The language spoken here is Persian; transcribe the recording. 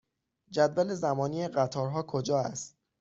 جدول زمانی قطارها کجا است؟